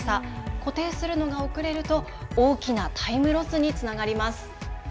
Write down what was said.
固定するのが遅れると大きなタイムロスにつながります。